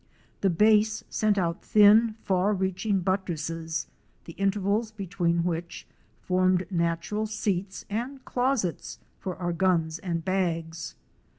The base sent out thin, far reaching buttresses, the intervals between which formed natural seats and closets for our guns and bags.